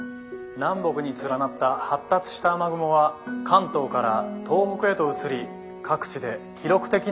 「南北に連なった発達した雨雲は関東から東北へと移り各地で記録的な大雨となりました。